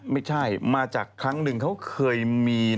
ไม่ใช่มาจากครั้งหนึ่งเขาเคยมี